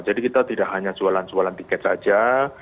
jadi kita tidak hanya jualan jualan tiket saja